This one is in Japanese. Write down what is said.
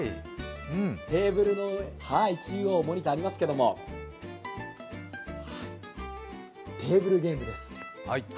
テーブルの上、中央にモニターがありますけども、テーブルゲームです。